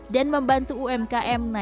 dan membantu umkm untuk mencapai kepentingan